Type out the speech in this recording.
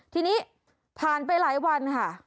ทีนี้ผ่านไปหลายวันค่ะ